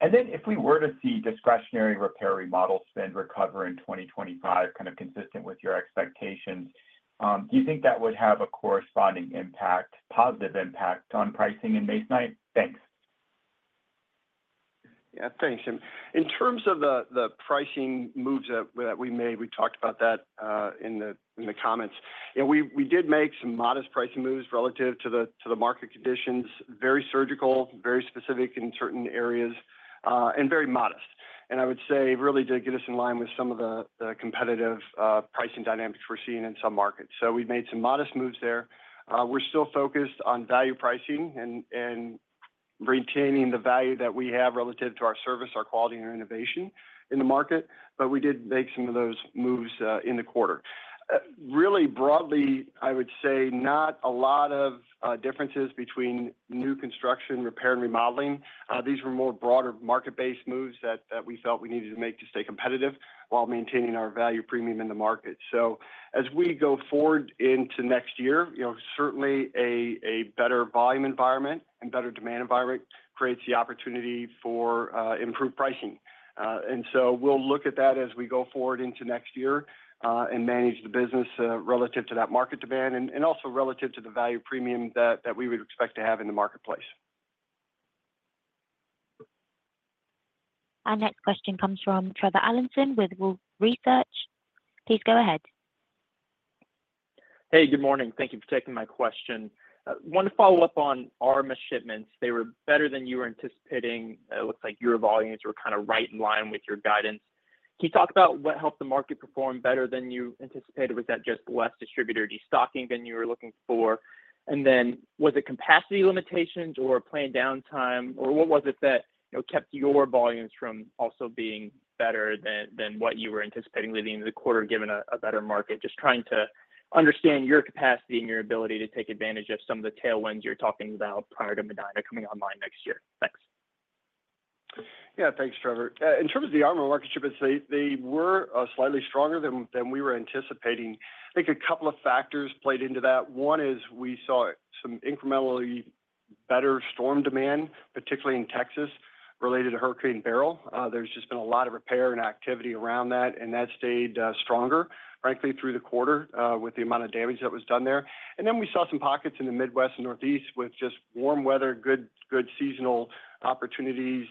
And then if we were to see discretionary repair remodel spend recover in 2025, kind of consistent with your expectations, do you think that would have a corresponding impact, positive impact on pricing in Masonite? Thanks. Yeah. Thanks. In terms of the pricing moves that we made, we talked about that in the comments. We did make some modest pricing moves relative to the market conditions, very surgical, very specific in certain areas, and very modest, and I would say really to get us in line with some of the competitive pricing dynamics we're seeing in some markets, so we've made some modest moves there. We're still focused on value pricing and retaining the value that we have relative to our service, our quality, and our innovation in the market, but we did make some of those moves in the quarter. Really broadly, I would say not a lot of differences between new construction, repair, and remodeling. These were more broader market-based moves that we felt we needed to make to stay competitive while maintaining our value premium in the market. So as we go forward into next year, certainly a better volume environment and better demand environment creates the opportunity for improved pricing. And so we'll look at that as we go forward into next year and manage the business relative to that market demand and also relative to the value premium that we would expect to have in the marketplace. Our next question comes from Trevor Allinson with Wolfe Research. Please go ahead. Hey, good morning. Thank you for taking my question. I want to follow up on our missed shipments. They were better than you were anticipating. It looks like your volumes were kind of right in line with your guidance. Can you talk about what helped the market perform better than you anticipated? Was that just less distributor destocking than you were looking for? And then was it capacity limitations or planned downtime, or what was it that kept your volumes from also being better than what you were anticipating leading into the quarter, given a better market? Just trying to understand your capacity and your ability to take advantage of some of the tailwinds you're talking about prior to Medina coming online next year. Thanks. Yeah. Thanks, Trevor. In terms of the R&R market shipments, they were slightly stronger than we were anticipating. I think a couple of factors played into that. One is we saw some incrementally better storm demand, particularly in Texas related to Hurricane Beryl. There's just been a lot of repair and activity around that, and that stayed stronger, frankly, through the quarter with the amount of damage that was done there, and then we saw some pockets in the Midwest and Northeast with just warm weather, good seasonal opportunities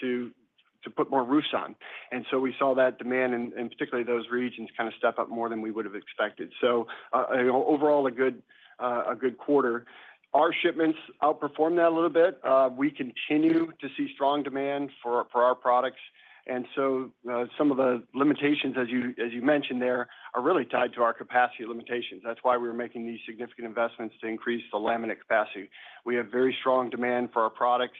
to put more roofs on, and so we saw that demand in particularly those regions kind of step up more than we would have expected, so overall, a good quarter. Our shipments outperformed that a little bit. We continue to see strong demand for our products. Some of the limitations, as you mentioned there, are really tied to our capacity limitations. That's why we were making these significant investments to increase the laminate capacity. We have very strong demand for our products.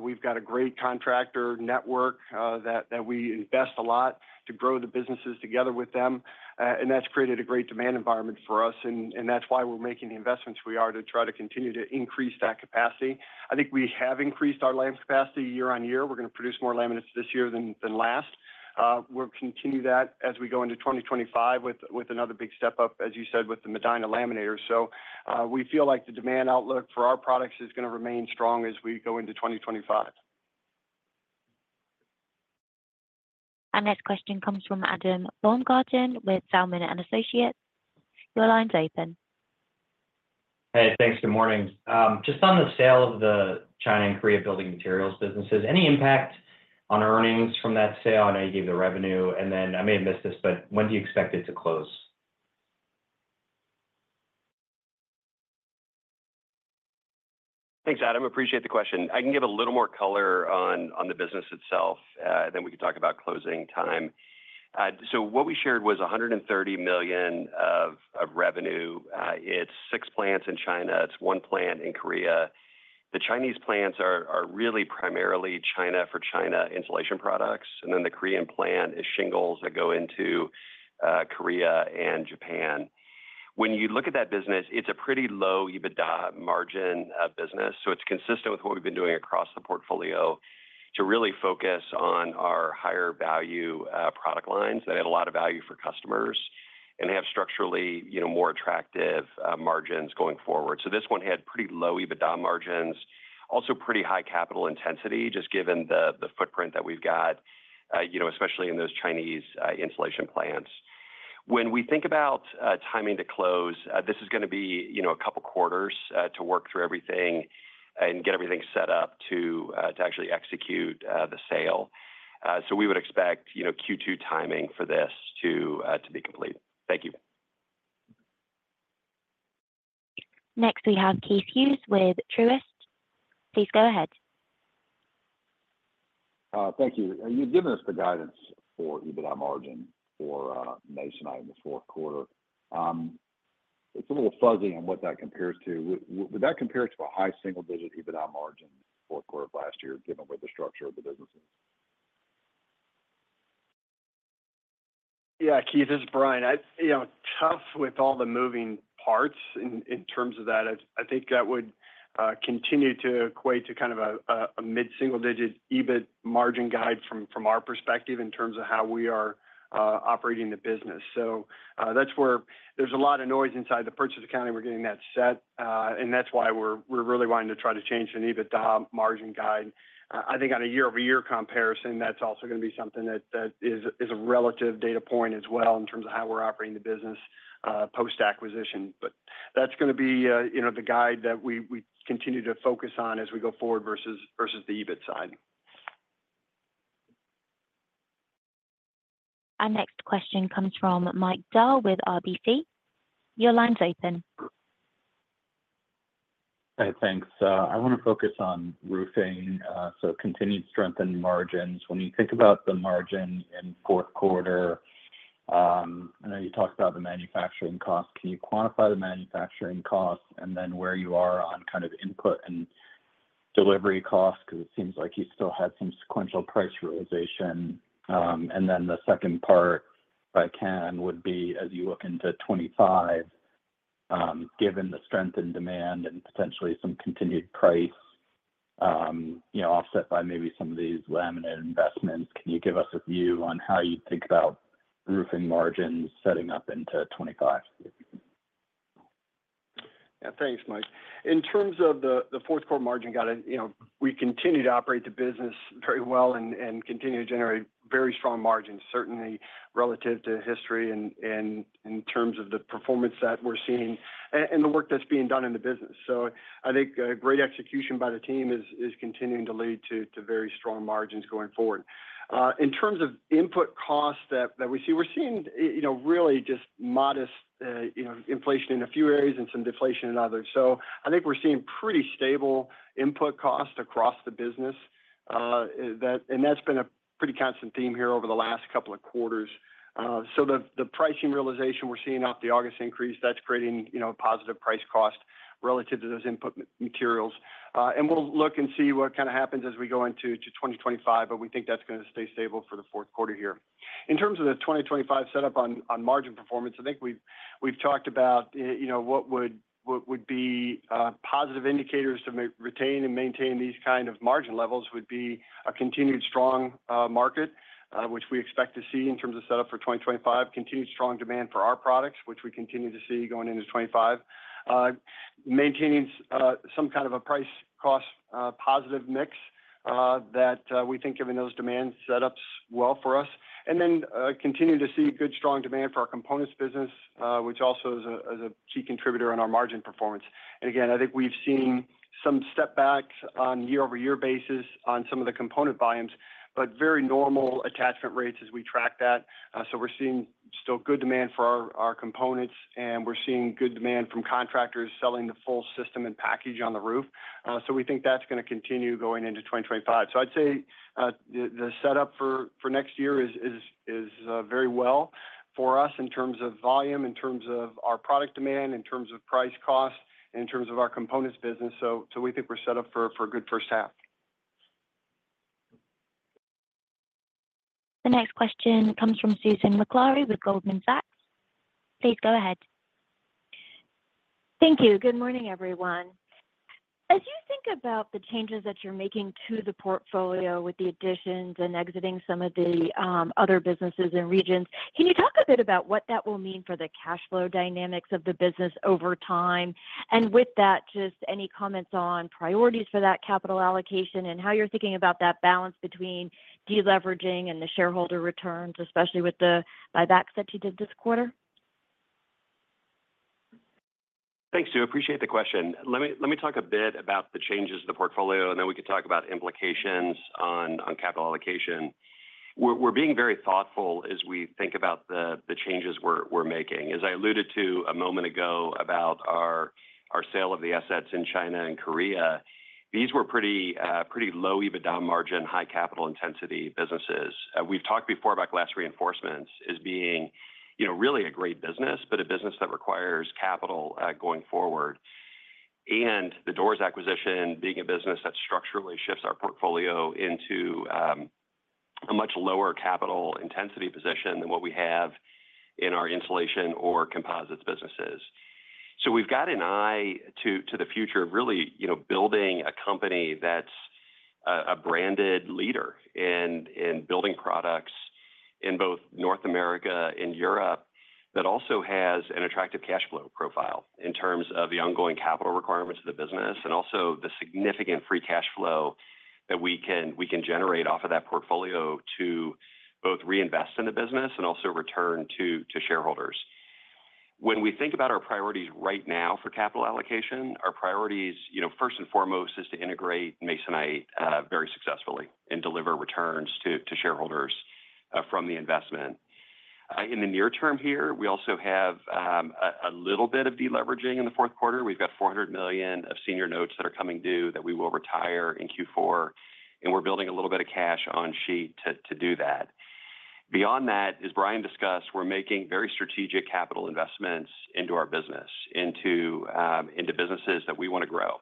We've got a great contractor network that we invest a lot to grow the businesses together with them. And that's created a great demand environment for us. And that's why we're making the investments we are to try to continue to increase that capacity. I think we have increased our laminate capacity year on year. We're going to produce more laminates this year than last. We'll continue that as we go into 2025 with another big step up, as you said, with the Medina laminator. So we feel like the demand outlook for our products is going to remain strong as we go into 2025. Our next question comes from Adam Baumgarten with Zelman & Associates. Your line's open. Hey, thanks. Good morning. Just on the sale of the China and Korea building materials businesses, any impact on earnings from that sale? I know you gave the revenue. And then I may have missed this, but when do you expect it to close? Thanks, Adam. Appreciate the question. I can give a little more color on the business itself, and then we can talk about closing time. So what we shared was $130 million of revenue. It's six plants in China. It's one plant in Korea. The Chinese plants are really primarily China for China insulation products. And then the Korean plant is shingles that go into Korea and Japan. When you look at that business, it's a pretty low EBITDA margin business. So it's consistent with what we've been doing across the portfolio to really focus on our higher value product lines that have a lot of value for customers and have structurally more attractive margins going forward. So this one had pretty low EBITDA margins, also pretty high capital intensity, just given the footprint that we've got, especially in those Chinese insulation plants. When we think about timing to close, this is going to be a couple of quarters to work through everything and get everything set up to actually execute the sale. So we would expect Q2 timing for this to be complete. Thank you. Next, we have Keith Hughes with Truist. Please go ahead. Thank you. You've given us the guidance for EBITDA margin for Masonite in the fourth quarter. It's a little fuzzy on what that compares to. Would that compare to a high single-digit EBITDA margin in the fourth quarter of last year, given where the structure of the business is? Yeah. Keith, this is Brian. Tough with all the moving parts in terms of that. I think that would continue to equate to kind of a mid-single-digit EBIT margin guide from our perspective in terms of how we are operating the business. So that's where there's a lot of noise inside the purchase accounting. We're getting that set. And that's why we're really wanting to try to change the EBITDA margin guide. I think on a year-over-year comparison, that's also going to be something that is a relative data point as well in terms of how we're operating the business post-acquisition. But that's going to be the guide that we continue to focus on as we go forward versus the EBIT side. Our next question comes from Mike Dahl with RBC. Your line's open. Hey, thanks. I want to focus on roofing, so continued strengthened margins. When you think about the margin in fourth quarter, I know you talked about the manufacturing costs. Can you quantify the manufacturing costs and then where you are on kind of input and delivery costs? Because it seems like you still had some sequential price realization. And then the second part, if I can, would be as you look into 2025, given the strength and demand and potentially some continued price offset by maybe some of these laminate investments, can you give us a view on how you think about roofing margins setting up into 2025? Yeah. Thanks, Mike. In terms of the fourth quarter margin guide, we continue to operate the business very well and continue to generate very strong margins, certainly relative to history and in terms of the performance that we're seeing and the work that's being done in the business. So I think great execution by the team is continuing to lead to very strong margins going forward. In terms of input costs that we see, we're seeing really just modest inflation in a few areas and some deflation in others. So I think we're seeing pretty stable input costs across the business. And that's been a pretty constant theme here over the last couple of quarters. So the pricing realization we're seeing off the August increase, that's creating a positive price cost relative to those input materials. We'll look and see what kind of happens as we go into 2025, but we think that's going to stay stable for the fourth quarter here. In terms of the 2025 setup on margin performance, I think we've talked about what would be positive indicators to retain and maintain these kind of margin levels would be a continued strong market, which we expect to see in terms of setup for 2025, continued strong demand for our products, which we continue to see going into 2025, maintaining some kind of a price-cost positive mix that we think, given those demand setups, will help for us. Then continue to see good strong demand for our components business, which also is a key contributor on our margin performance. And again, I think we've seen some step backs on year-over-year basis on some of the component volumes, but very normal attachment rates as we track that. So we're seeing still good demand for our components, and we're seeing good demand from contractors selling the full system and package on the roof. So we think that's going to continue going into 2025. So I'd say the setup for next year is very well for us in terms of volume, in terms of our product demand, in terms of price cost, and in terms of our components business. So we think we're set up for a good first half. The next question comes from Susan Maklari with Goldman Sachs. Please go ahead. Thank you. Good morning, everyone. As you think about the changes that you're making to the portfolio with the additions and exiting some of the other businesses and regions, can you talk a bit about what that will mean for the cash flow dynamics of the business over time? And with that, just any comments on priorities for that capital allocation and how you're thinking about that balance between deleveraging and the shareholder returns, especially with the buybacks that you did this quarter? Thanks, Sue. Appreciate the question. Let me talk a bit about the changes to the portfolio, and then we can talk about implications on capital allocation. We're being very thoughtful as we think about the changes we're making. As I alluded to a moment ago about our sale of the assets in China and Korea, these were pretty low EBITDA margin, high capital intensity businesses. We've talked before about Glass Reinforcements as being really a great business, but a business that requires capital going forward, and the Doors acquisition being a business that structurally shifts our portfolio into a much lower capital intensity position than what we have in our insulation or composites businesses. So we've got an eye to the future of really building a company that's a branded leader in building products in both North America and Europe that also has an attractive cash flow profile in terms of the ongoing capital requirements of the business and also the significant free cash flow that we can generate off of that portfolio to both reinvest in the business and also return to shareholders. When we think about our priorities right now for capital allocation, our priorities, first and foremost, is to integrate Masonite very successfully and deliver returns to shareholders from the investment. In the near term here, we also have a little bit of deleveraging in the fourth quarter. We've got $400 million of senior notes that are coming due that we will retire in Q4. And we're building a little bit of cash on sheet to do that. Beyond that, as Brian discussed, we're making very strategic capital investments into our business, into businesses that we want to grow,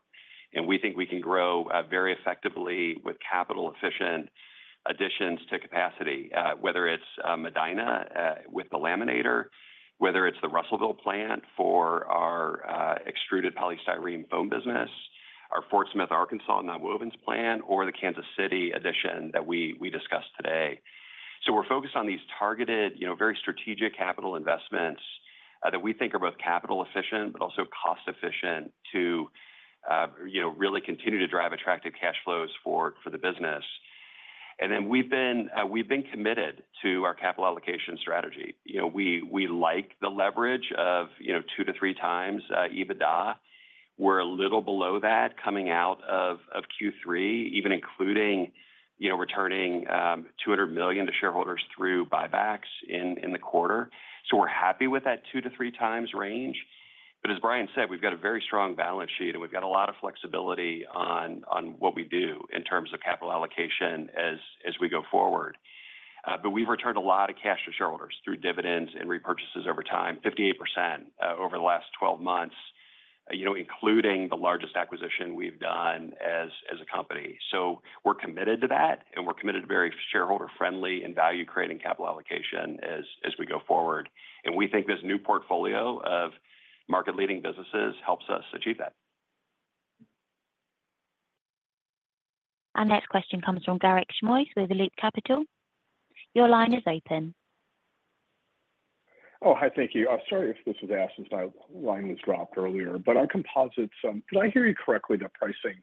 and we think we can grow very effectively with capital-efficient additions to capacity, whether it's Medina with the laminator, whether it's the Russellville plant for our extruded polystyrene foam business, our Fort Smith, Arkansas nonwovens plant, or the Kansas City addition that we discussed today, so we're focused on these targeted, very strategic capital investments that we think are both capital-efficient, but also cost-efficient to really continue to drive attractive cash flows for the business, and then we've been committed to our capital allocation strategy. We like the leverage of two to three times EBITDA. We're a little below that coming out of Q3, even including returning $200 million to shareholders through buybacks in the quarter, so we're happy with that two to three times range. But as Brian said, we've got a very strong balance sheet, and we've got a lot of flexibility on what we do in terms of capital allocation as we go forward. But we've returned a lot of cash to shareholders through dividends and repurchases over time, 58% over the last 12 months, including the largest acquisition we've done as a company. So we're committed to that, and we're committed to very shareholder-friendly and value-creating capital allocation as we go forward. And we think this new portfolio of market-leading businesses helps us achieve that. Our next question comes from Garik Schmois with Loop Capital. Your line is open. Oh, hi. Thank you. Sorry if this was asked since my line was dropped earlier. But our composites, did I hear you correctly that pricing,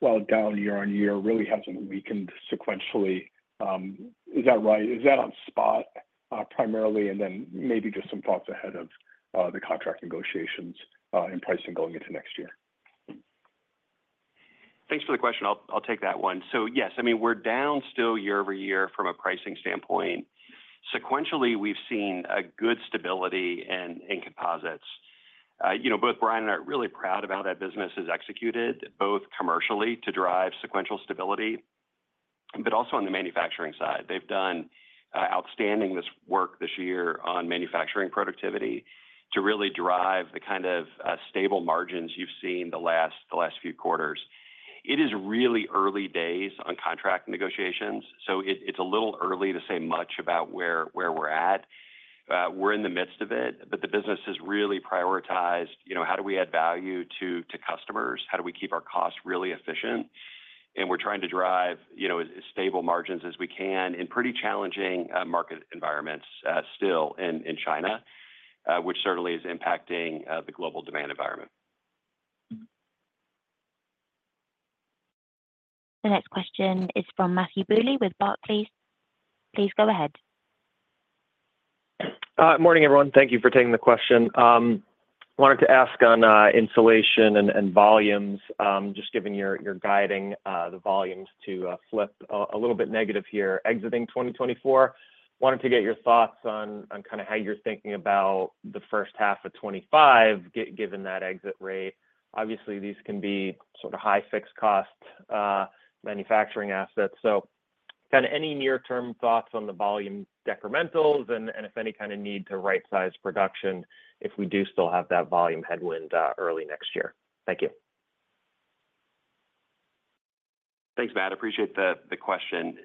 while down year on year, really hasn't weakened sequentially? Is that right? Is that on spot primarily? And then maybe just some thoughts ahead of the contract negotiations and pricing going into next year? Thanks for the question. I'll take that one. So yes, I mean, we're down still year-over-year from a pricing standpoint. Sequentially, we've seen good stability in composites. Both Brian and I are really proud of how that business is executed, both commercially to drive sequential stability, but also on the manufacturing side. They've done outstanding work this year on manufacturing productivity to really drive the kind of stable margins you've seen the last few quarters. It is really early days on contract negotiations. So it's a little early to say much about where we're at. We're in the midst of it, but the business has really prioritized how do we add value to customers? How do we keep our costs really efficient? We're trying to drive as stable margins as we can in pretty challenging market environments still in China, which certainly is impacting the global demand environment. The next question is from Matthew Bouley with Barclays. Please go ahead. Good morning, everyone. Thank you for taking the question. Wanted to ask on insulation and volumes, just given your guidance the volumes to flip a little bit negative here. Exiting 2024, wanted to get your thoughts on kind of how you're thinking about the first half of 2025, given that exit rate. Obviously, these can be sort of high-fixed cost manufacturing assets. So kind of any near-term thoughts on the volume decrementals and if any kind of need to right-size production if we do still have that volume headwind early next year? Thank you. Thanks, Matt. Appreciate the question.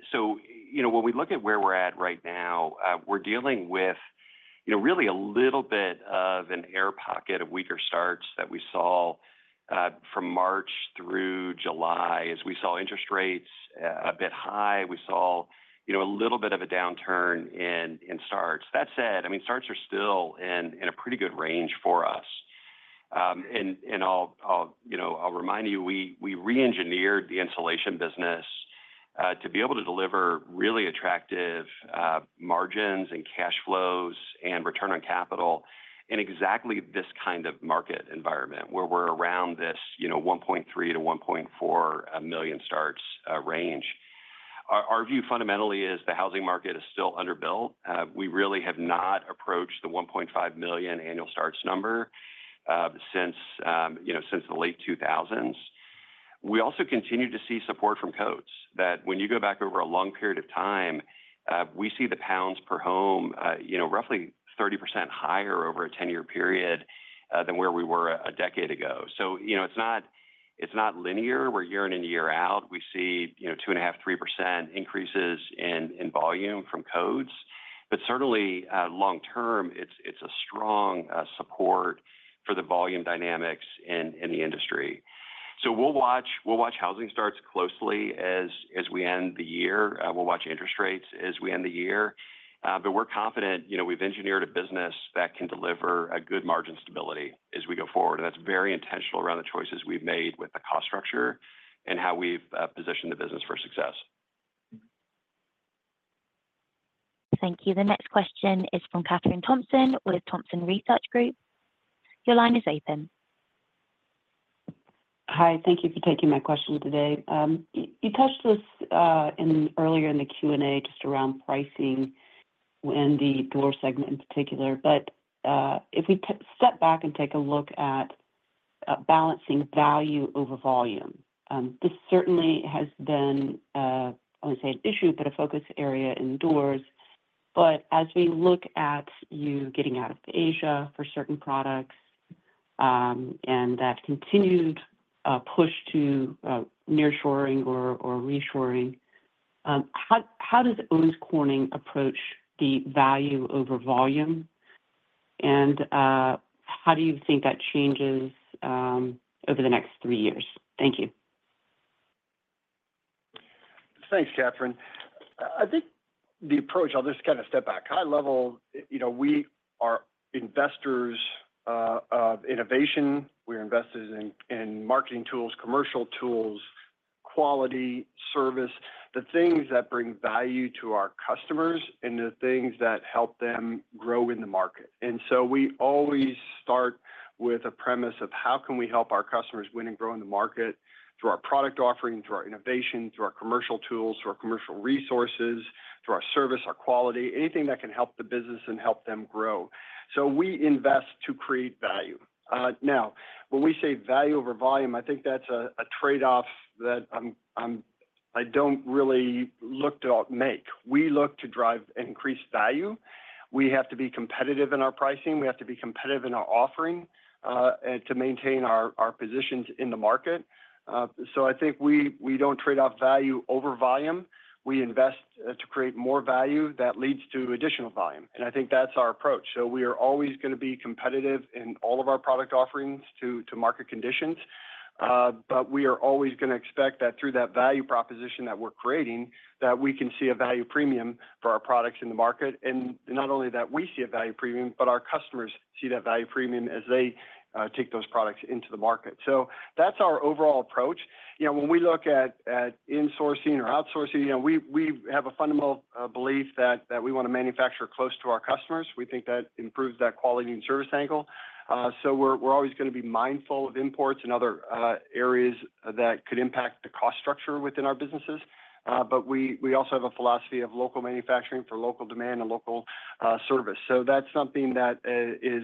So when we look at where we're at right now, we're dealing with really a little bit of an air pocket of weaker starts that we saw from March through July, as we saw interest rates a bit high. We saw a little bit of a downturn in starts. That said, I mean, starts are still in a pretty good range for us. And I'll remind you, we re-engineered the insulation business to be able to deliver really attractive margins and cash flows and return on capital in exactly this kind of market environment where we're around this 1.3–1.4 million starts range. Our view fundamentally is the housing market is still underbuilt. We really have not approached the 1.5 million annual starts number since the late 2000s. We also continue to see support from R&R. That, when you go back over a long period of time, we see the pounds per home roughly 30% higher over a 10-year period than where we were a decade ago. So it's not linear. We're year in and year out. We see 2.5%, 3% increases in volume from coats. But certainly, long-term, it's a strong support for the volume dynamics in the industry. So we'll watch housing starts closely as we end the year. We'll watch interest rates as we end the year. But we're confident we've engineered a business that can deliver a good margin stability as we go forward. And that's very intentional around the choices we've made with the cost structure and how we've positioned the business for success. Thank you. The next question is from Kathryn Thompson with Thompson Research Group. Your line is open. Hi. Thank you for taking my question today. You touched this earlier in the Q&A just around pricing and the Doors segment in particular. But if we step back and take a look at balancing value over volume, this certainly has been, I wouldn't say an issue, but a focus area in Doors. But as we look at you getting out of Asia for certain products and that continued push to nearshoring or reshoring, how does Owens Corning approach the value over volume? And how do you think that changes over the next three years? Thank you. Thanks, Katherine. I think the approach, I'll just kind of step back. High level, we are investors of innovation. We're investors in marketing tools, commercial tools, quality, service, the things that bring value to our customers and the things that help them grow in the market. And so we always start with a premise of how can we help our customers win and grow in the market through our product offering, through our innovation, through our commercial tools, through our commercial resources, through our service, our quality, anything that can help the business and help them grow. So we invest to create value. Now, when we say value over volume, I think that's a trade-off that I don't really look to make. We look to drive increased value. We have to be competitive in our pricing. We have to be competitive in our offering to maintain our positions in the market. So I think we don't trade off value over volume. We invest to create more value that leads to additional volume. And I think that's our approach. So we are always going to be competitive in all of our product offerings to market conditions. But we are always going to expect that through that value proposition that we're creating, that we can see a value premium for our products in the market. And not only that we see a value premium, but our customers see that value premium as they take those products into the market. So that's our overall approach. When we look at insourcing or outsourcing, we have a fundamental belief that we want to manufacture close to our customers. We think that improves that quality and service angle. So we're always going to be mindful of imports and other areas that could impact the cost structure within our businesses. But we also have a philosophy of local manufacturing for local demand and local service. So that's something that is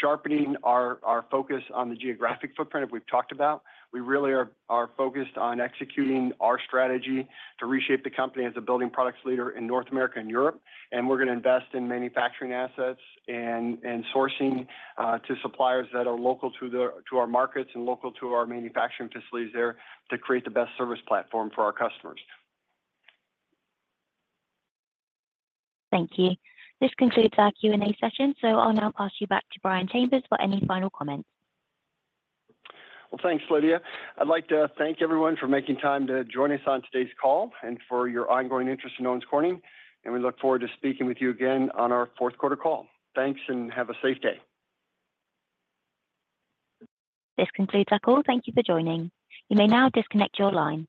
sharpening our focus on the geographic footprint that we've talked about. We really are focused on executing our strategy to reshape the company as a building products leader in North America and Europe. And we're going to invest in manufacturing assets and sourcing to suppliers that are local to our markets and local to our manufacturing facilities there to create the best service platform for our customers. Thank you. This concludes our Q&A session. So I'll now pass you back to Brian Chambers for any final comments. Well, thanks, Lydia. I'd like to thank everyone for making time to join us on today's call and for your ongoing interest in Owens Corning. And we look forward to speaking with you again on our fourth quarter call. Thanks and have a safe day. This concludes our call. Thank you for joining. You may now disconnect your line.